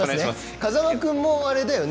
風間君も、あれだよね。